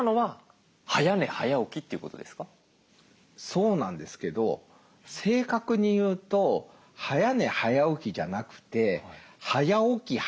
そうなんですけど正確に言うと「早寝早起き」じゃなくて「早起き早寝」ですね。